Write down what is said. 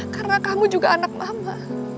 karena kamu juga anak mama